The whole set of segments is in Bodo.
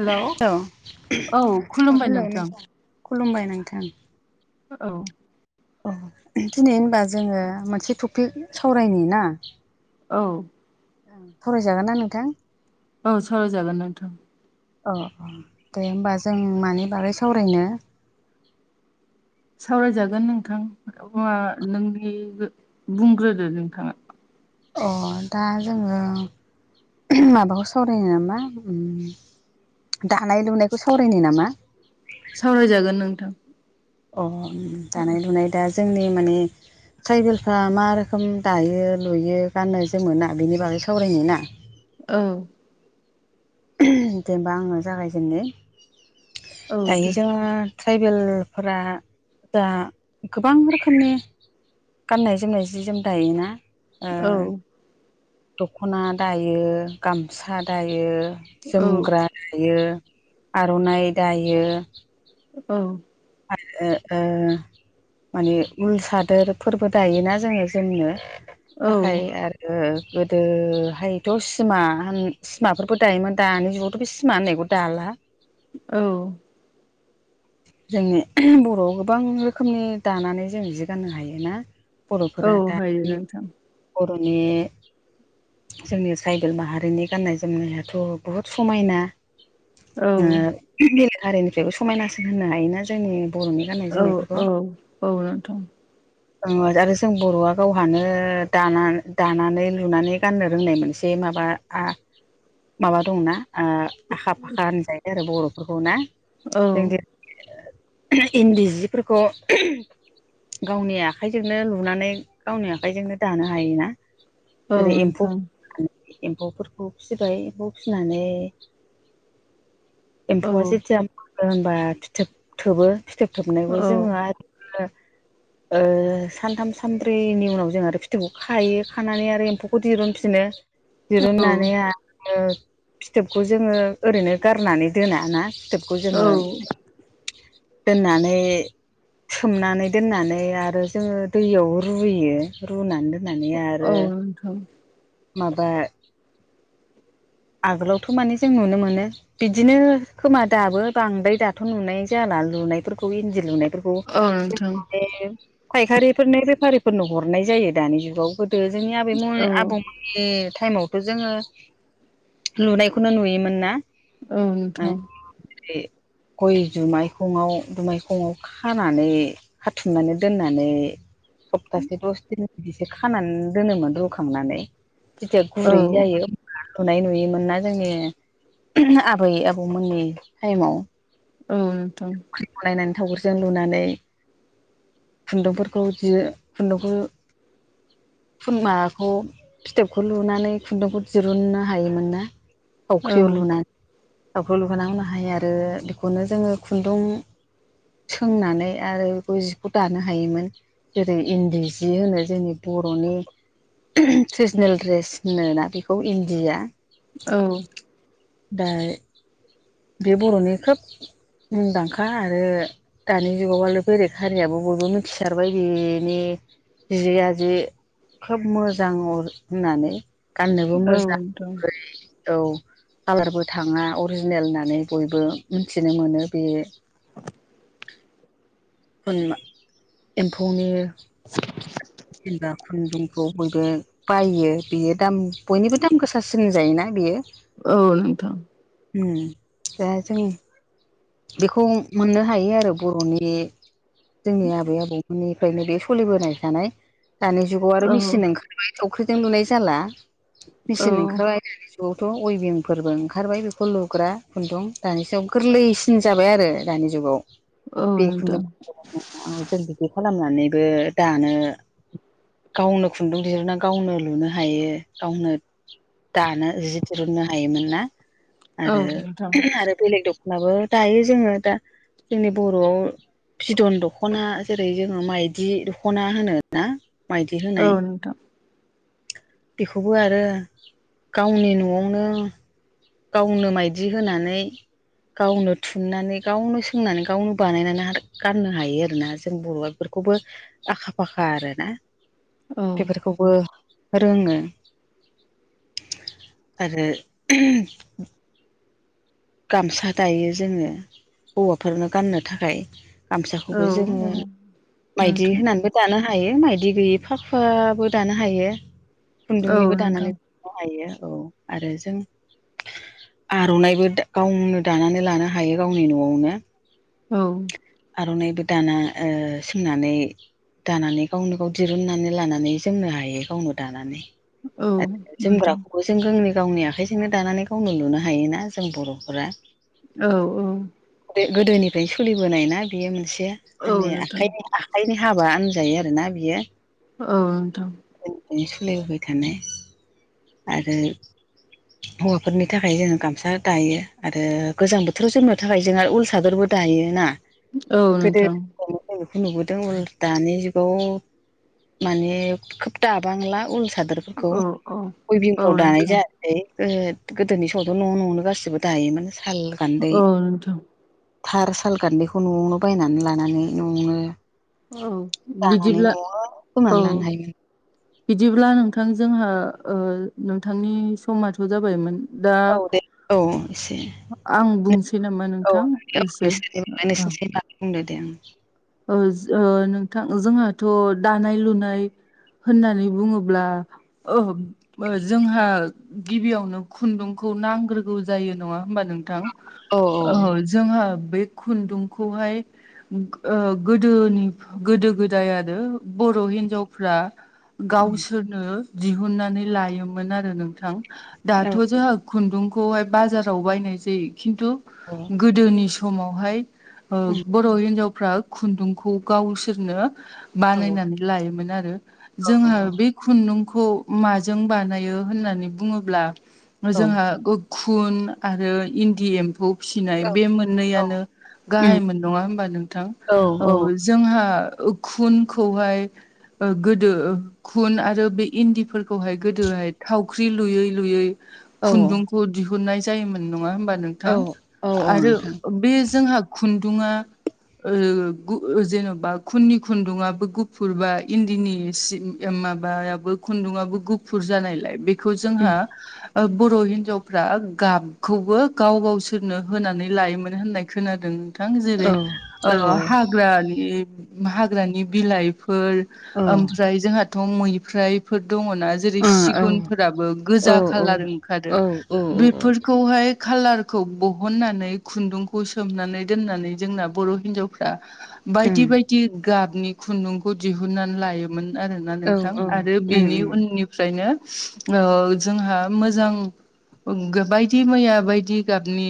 हेलौ अ औ खुलुमबाय हेल' नोंथां खुलुमबाय नोंथां। औ अ दिनै होनबा जोङो मोनसे टपिक सावरायनि ना औ फरायजागोन ना नोंथां? औ सावराय जागोन नोंथां। अ अ दे हबा जों मानि बागै सावरायनो सावरायजागोन नोंथां। मा नोंनि बुंग्रोदो नोंथाङा अ दा जोङो। माबाखौ सावरायनो नामा दानाय लुनायखौ सावरायनो नामा। सावरायजागोन नोंथां। अ दानाय लुनाय दा जोंनि माने ट्राइबेलफ्रा मा रोखोम दायो लुयो गानो जोमो ना बेनि बागै सावरायनो ना औ जेनेबा आङो जागायजेनो औ दायो दे जोङो ट्राइबेलफोरा दा गोबां रोखोमनि गाननाय जोमनाय जि जोम दायोना ओ औ दख'ना दायो गामसा दायो। औ जोमग्रा दायो आर'नाइ दायो औ। ओ। माने उल सादोर फोरबो दायोना जोङो जोमनो औ थाखाय। आरो गोदोहायथ' सिमा सिमाफोरबो दायोमोन दानि जुगावथ' बे सिमा होननायखौ दाला औ। जोंनि बर'आव गोबां रोखोमनि दानानै जों जि गाननो हायो ना। औ बर'फोरा दा हायो नोंथां बर'नि जोंनि ट्राइबेल माहारिनि गाननाय जोमनायाथ' बुहुत समायना। औ बेलेग हारिनिफ्रायबो समायनासिन होनो हायोना जोंनि बर'नि गाननाय औ औ जोमनायफोरखौ औ नोंथां आरो जों बर'आ गावहानो दानानै लुनानै गाननो रोंनाय मोनसे माबा माबा दंनाा आखा फाखा होनजायो आरो बर'फोरखौ ना औ। जों इन्दि सिफोरखौ गावनि आखाइजोंनो लुनानै गावनि आखाइजोंनो दानो हायोना। औ जेरै एम्फौ नोंथां एम्फौफोरखौ फिसिबाय एम्फौ फिनानै एम्फौआ औ जेथिया होनबा फिथोब थोबो फिथोब थोबनायखौ औ जोङो आरो [unintelligible] सानथाम सानब्रैनि उनाव जों आरो फिथोबखौ खायो खानानै आरो एम्फौखौ दहुनफिनो औ दिरुनन्नानै फिथोबखौ जोङो ओरैनो गारनानै दोना ना। फोथोबखौ औ जोङो दोननानै सोमनानै दोननानै आरो जोङो दैयाव रुयो रुनानै दोननानै आरो औ नोंथां माबा आगोलावथ' माने जों नुनो मोनो बिदिनो खोमा दाबो बांद्राय दाथ' नुनाय जाला लुनायफोरखौ इन्दि लुनायखौ औ नोंथां फायखारिफोरनो बेफारिफोरनो हरनाय जायो दानि जुगाव गो बे जोंनि आबैमोननि औ आबौमोननि टाइमावथ' जोङो लुनायखौनो नुयोमोन ना ओं। गय जुमायखंङाव दुमायखंङआव खानानै हाथुमनानै दोननानै सप्तासे दस दिन बिदिसो खानानै दोनोमोन रुखांनानै जेथिया औ गुरै जायो [unintelligible] [unintelligible] मोना जोंनि आबै आबौमोननि टाइमाव औथ' फ्रिखौलायनानै थावगुरजों लुनानै खुन्दुंफोरखौ बिदिनो खुन्दुंखौ खुरमाखौ फिथोबखौ लुनानै खुन्दुंखौ दिरुननो हायोमोन ना औ सावख्रियाव लुनानै सावख्रियाव लुहां होनो हायो आरो बेखौनो जोङो खुन्दुं सोंनानै आरो बेखौ जिखौ दानो हायोमोन जेरै इन्दि सि होनो जोंनि बर'नि ट्रेडिसनेल ड्रेस होनोना बेखौ इन्दिया औ। [unintelligible] बे बर'नि खोब मुंदांखा। आरो दानि जुगावहाय बेलेख हारियाबो बयबो मिथिसारबाय बिनि जि आ जिे खोब मोजां होननानै गाननोबो औ मोजां नोंथां ओनफाय औ कालारबो थाङा अरिजिनेल होननानै बयबो मिथिनो मोनो बे एम्फौनि जेनबा खुन्दुंखौ बयबो बायो बेयो दाम बयनिबो दाम गोसासिन जायोना बेयो औ नोंथां दा जों बेखौ मोननो हायो आरो बर'नि जोंनि आबै आबौमोननिफ्रायनो बे सलिबोनाय थानाय दानि जुगाव आरो औ मेचिन ओंखार थावख्रिजों लुनाय जाला औ मेचिन ओंखारबाय दानि जुगावथ' अयबिं फोरबो ओंखारबाय बेखौ लुग्रा खुन्दुं दानि सायाव गोरलैसिन जाबाय आरो दानि जुगाव औ बे खुन्दुं नोंथां जों बिदि खालामनानैबो दानो गावनो खुन्दुं बिहुना गावनो लुनो हायो गावनो दानो जि दिरुननो हायोमोन ना औ आरो नोंथां आरो बेलेग द अब्लाबो दायो जोङो दा जोंनि बर'आव बिदन दख'ना जेरै जोङो माइदि दख'ना होनो ना मायदि होनाय औ नोंथां बेखौबो आरो गावनि न'आवनो गावनो माइदि होनानै गावनो थुननानै गावनो सोंनानै गावनो बानायनानै गाननो हायो आरोना जों बर'आ बेफोरखौबो आखा फाखा आरो ना औ बेफोरखौबो बेफोरखोबो रोङो आरो उ गामसा दायो जोङो हौवाफोरनो गाननो थाखाय औ गामसाखौबो जोङो माइदि नोंथां होनानैबो दानो हायो माइदि गैयि फाखुवाबो दानो हायो औ खुन्दुंनिबो दानानै नोंथां बाहायो औ आरो जों आर'नाइबो दा गावनो दानानै लानो हायो गावनि न'आवनो औ आर'नाइबो दाना ओ सोंनानै दानानै गावनो गाव दिरुनन्नानै लानानै जोंमनो हायो गावनो दानानै औ नोंथां बे जों जोंनि गावनि आखाइजोंनो दानानै गावनो लुनो हायोना जों बर'फोरा औ औ दे गोदोनिफ्रायनो सोलिबोनाय ना बेयो मोनसे औ जोंनि नोंथां आखाइनि आखाइनि हाबा होनजायो आरोना बियो औ नोंथां नो सलिबोबाय थानाय आरो हौवाफोरनि थाखाय जोङो गामसा दायो आरो गोजां बोथोराव जोमनो थाखाय जोंहा उल सादरबो दायोना औ नोंथां [unintelligible] नुबोदों मोन दानि जुगाव माने खोब दाबांला उल सादोरफोरखौ औ औ औ अवेबिंफ्राव दानाय नोंथां जायासै [unintelligible] गोदोनि समावथ' न' न'वावनो गासिबो दायोमोन साल गान्दै औ नोंथां थार साल गान्दैखौ न'आवनो बायनानै लानानै न'आवनो औ दानानै बिदिब्ला न'आवनो औ खोमानानै लानो हायोमोन बिदिब्ला नोंथां जोंहा ओ नोंथांनि समाथ' जाबायमोन दा औ दे औ एसे आं बुंनोसै नामा औ नोंथां एसे नोंसोरनि औ नोंसोरनि बागै बुंदो दे उम ओ जो नोंथां जोंहाथ' दानाय लुनाय होननानै बुङोब्ला ओ जोंहा गिबियावनो खुन्दुंखौ नांग्रोगौ जायो नङा होमबा नों थां औ ओ जोंहा बे खुन्दुंखौहाय ओ गोदोनि गोदो गोदाय आरो बर' हिनजावफ्रा गावसोरनो दिहुननानै लायोमोन आरो नोंथां औ दाथ' जोंहा खुन्दुंखौहाय बाजाराव बायनाय जायो खिन्थु अ गोदोनि समावहाय ओ बर' हिनजाव फ्रा खुन्दुंखौ गावसोरनो औ बानायनानै लायोमोन आरो जोंहा बे खुन्दुंखौ माजों बानायो होननानै बुङोब्ला औ जोंहा गो खुन आरो इन्दि एम्फौ फिसिनाय बे मोननैयानो उम गाहाय मोन नङा होनबा नों औ औ जोंहा खुनखौहाय ओ गोदो खुन आरो बे इन्दिफोरखौहाय गोदोहाय थावख्रि लुयै लुयै औ खुन्दुंखौ दिहुननाय जायोमोन नङा होमबा औ नोंथां औ आरो नोंथां बे जोंहा खुन्दुङा ओ गु जेनेबा खुननि खुन्दुङाबो गुफुर बा इन्दिनि सि माबायाबो खुन्दुंयाबो गुफुर जानायलाय बेखौ उम जोंहा बर' हिन्जावफ्रा गाबखौबो गाव गावसोरनो होनानै लायोमोन होननाय खोनादों थां औ जेरै ओ औ हाग्रानि हाग्रानि बिलाइफोर औ ओ ओमफ्राय जोंहाथ' मैफ्रायफोर दङना औ जेरै औ सिगुन फोराबो गोजा खाालार ओंखारो औ ओं औ बेफोरखौहाय खालारखौ बहननानै खुन्दुंखौ सोमनानै दोननानै जोंना बर' हिनजावफ्रा बायदि उम बायदि गाबनि खुन्दुंखौ दिहुननानै लायोमोन आरोना नोंथां उम आरो उम बिनि उननि फ्राय नो ओ जोंहा मोजां बायदि मैया बायदि गाबनि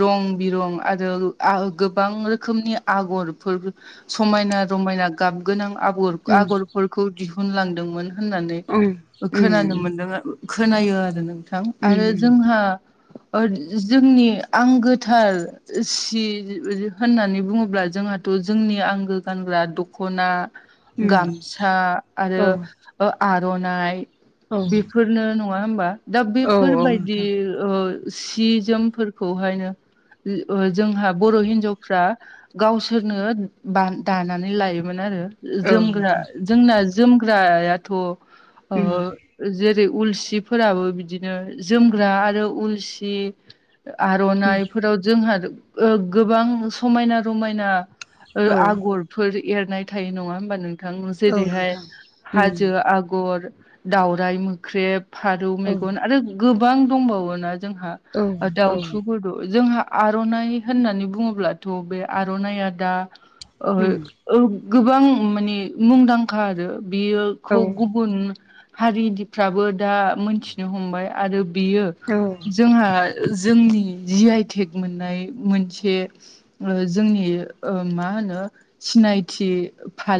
रं बिरं आरो आ गोबां रो खोमनि आगरफोर समायना रमायना गाब गोनां आगर आगरफोर खौ दिहुनलांदोंमोन होननानै उम खोनानो उम मोनदों खोनायो आरो नोंथां थां आरो जोंहा जोंनि आंगोथार सि होननानै बुङोब्ला जोंहाथ' जोंनि आंगो गानग्रा दख'ना उम गामसा आरो औ ओ आर'नाइ औ बेफोरनो नं नङा हामबा दा औ औ बेफोरबायदि नोंथां ओ सि जोमफोरखौहायनो जोंहा बर' हिनजाव फ्रा गावसोरनो बा दानानै लायोमोन आरो औ नोंथां जोमग्रा उम जोंना जोमग्रायाथ' ओ जेरै उलसिफोराबो बिदिनो जोमग्रा आरो उलसि आर'नाइफोराव जोंहा ओ गोबां समायना रमायना ओ उम औ आगरफोर एरनाय थायो नङा होमबा नों थां औ जेरैहाय नोंथां हाजो उम आगर दावराइ मोख्रेब फारौ मेगन आरो गोबां दंबावोना जोंहा औ औ दाउथुफोर जोंहा आर'नाइ होननानै बुङोब्लाथ' बे आर'नाइया दा उम ओ गोबां माने मुंदांखा आरो बियो औ खौ गुबुन हारिनिफ्राबो दा मोनथिनो हमबाय आरो बियो औ जोंहा जोंनि जिआइटेक मोननाय मोनसे जोंनि ओ मा होनो सिनायथि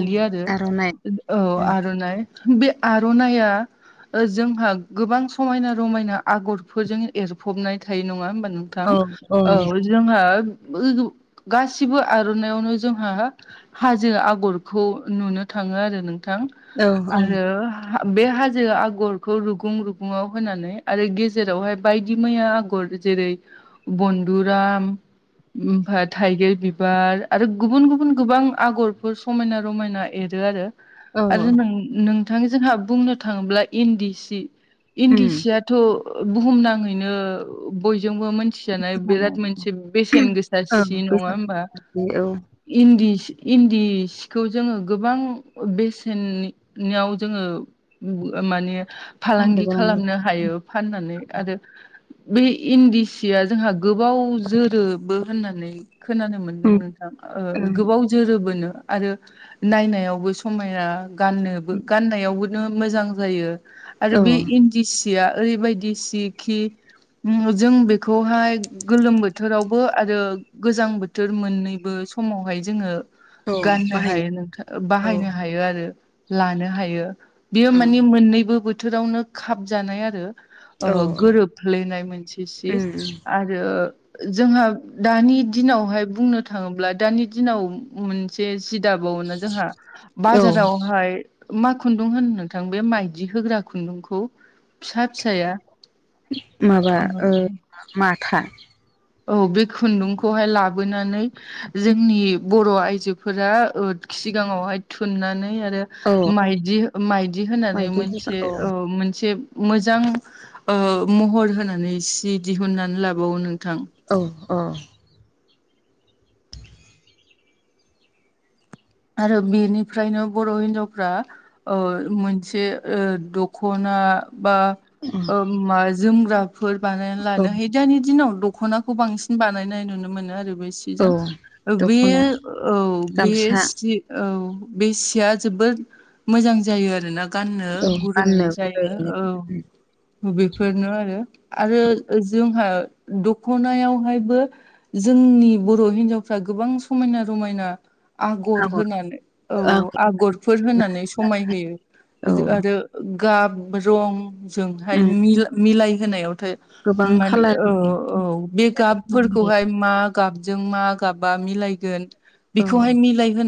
उम आरो आर'नाइ ओ उम आर'नाइ बे आर'नाइआ ओ जोंहा गोबां समायना रमायना आगरफोरजों एरफबनाय थायो नङा होमबा नों थां औ जोंहा [unintelligible] गासिबो आर'नाइामयावनो जोंहा हाजो आगरखौ नुनो थाङो आरो नोंथां औ आरो बे हाजो आगरखौ रुगुं रुगुङाव होनानै आरो गेजेरावहाय बायदि मैया आगर जेरै बन्धुराम ओमफाय थाइगिर बिबार आरो गुबुन गुबुन गोबां आगरफोर समायना रमायना एरो आरो औ आरो नोंथां जोंहा बुंनो थाङोब्ला इन्दि सि उम इन्दि सिया बुहुमनाङैनो बयजोंबो मोन मिथिजानाय दुखु जानाय बिराद मोनसे बेसेन गोसा औ सि नङा बैसागु होमबा बायदि औ इन्दि सि इन्दि सिखौ जोङो गोबां बेसेननि याव जोङो माने फालांगि नंगौ नंगौ खालामनो हायो फाननानै आरो बे इन्दि सिया जोंहा गोबाव जोरोबो होननानै खोनानो मोनो उम नोंथां उम गोबाव जोरोबोनो आरो नायनायावबो समायना गाननोबो उम गाननायावबोनो मोजां जायो आरो औ बे इन् दिसिया ओरैबायदि सि खि जों बेखौहाय गोलोम बोथोरावबो आरो गोजां बोथोर मोननैबो समावहाय जोङो औ गाननो हायो बाहायनो नोंथां औ बाहायनो हायो आरो लानो हायो बेयो उम मानि मोननैबो बोथोरावनो खाबजानाय आरो ओ औ गोरोफ्लेनाय मोनसे सि उम उम आरो आरो जोंहा दानि दिनावहाय बुंनो थाङोब्ला दानि दिनाव मोनसे जि दाबावोना जोंहा औ बाजारावहाय मा खुन्दुं होनो नोंथां बे माइदि होग्रा खुन्दुंखौ फिसा फिसाया माबा ओ माथा औ बे खुन्दुंखौहाय लाबोनानै जोंनि बर' आइजोफोरा ओ सिगाङावहाय थुननानै आरो औ माइदि माइदि होनानै मायदि होबा मोनसे औ ओ मोनसे मोजां ओ महर होनानै सि दिहुननानै लाबावो नोंथां औ अ आरो बेनिफ्रायनो बर' हिनजावफ्रा ओ मोनसे ओ दख'ना बा उम ओ मा जोमग्राफोर बानायना औ लानो हायो दानि दिनाव दख'नाखौ बांसिन बानायनाय नुनो मोनो आरो बे औ [unintelligible] बे दख'ना औ बे गामसा सि औ बे सिया जोबोद मोजां जायो आरोना गाननो औ गुरै गाननो जायो गुरैनो औ बेफोरनो आरो आरो जोंहा दख'नायावहायबो जोंनि बर' हिनजावफ्रा गोबां समायना रमायना आगर होनानै औ आगर फोर गोनां होनानै समाय होयो औ आरो गाब रं जोंहाय उम मि मिलाय होनायावथो गोबां माने औ खालारनि औ बे गाबफोरखौहाय मा गाबजों मा गाबा मिलायगोन औ बैखौहाय मिलायहो